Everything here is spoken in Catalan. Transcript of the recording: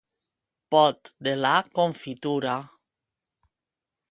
Pot de la confitura.